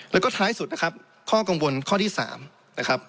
แล้วก็ท้ายสุดนะครับข้อกังวลข้อที่๓นะครับ